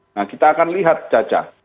nah kita akan lihat caca